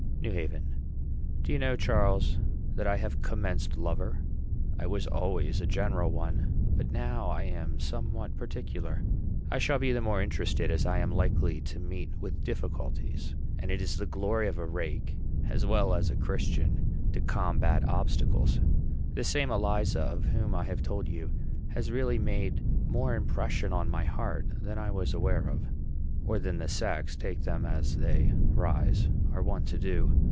NEW HAVEN. Do you know, Charles, that I have commenced lover? I was always a general one, but now I am somewhat particular. I shall be the more interested, as I am likely to meet with difficulties; and it is the glory of a rake, as well as of a Christian, to combat obstacles. This same Eliza, of whom I have told you, has really made more impression on my heart than I was aware of, or than the sex, take them as they rise, are wont to do.